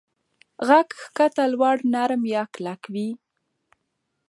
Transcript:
غږ کښته، لوړ، نرم یا کلک وي.